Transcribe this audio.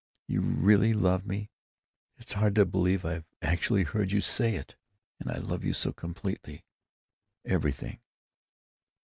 You really love me? It's hard to believe I've actually heard you say it! And I love you so completely. Everything."